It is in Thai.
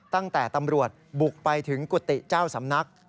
ตั้งแต่ตำรวจบุกไปถึงกุฏิเจ้าสำนัก